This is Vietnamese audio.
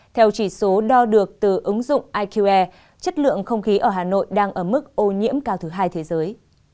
theo chỉ số đo được từ ứng dụng iqr chất lượng không khí ở hà nội đang ở mức ô nhiễm cao thứ hai thế giới